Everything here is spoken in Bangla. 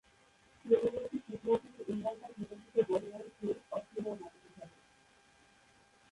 পূর্ববর্তী শীত মৌসুমে ইংল্যান্ড দল বিতর্কিত বডিলাইন সিরিজ অস্ট্রেলিয়ার মাটিতে খেলে।